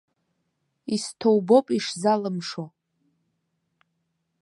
Исҭоубоуп ишзалымшо!